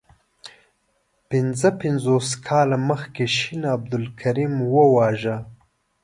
پنځه پنځوس کاله مخکي شین عبدالکریم وواژه.